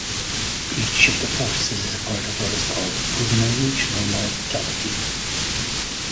Each of these forces is a part of what is called "Organizational Mortality".